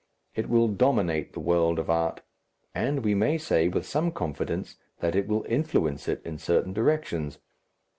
It will dominate the world of art and we may say, with some confidence, that it will influence it in certain directions.